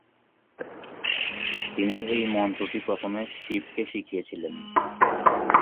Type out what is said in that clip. তিনি এই মন্ত্রটি প্রথমে শিবকে শিখিয়েছিলেন।